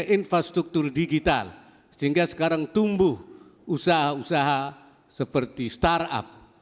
infrastruktur digital sehingga sekarang tumbuh usaha usaha seperti startup